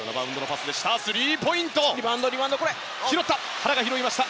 原が拾いました。